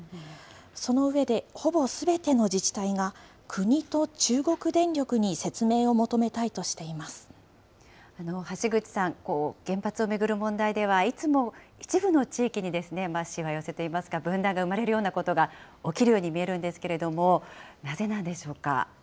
その上で、ほぼすべての自治体が、国と中国電力に説明を求めたいと橋口さん、原発を巡る問題では、いつも一部の地域にしわ寄せといいますか、分断が生まれるようなことが起きるように見えるんですけれども、なぜなんでしょうか。